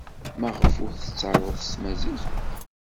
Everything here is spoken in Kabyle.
Maɣef ur t-tettaruḍ s tmaziɣt?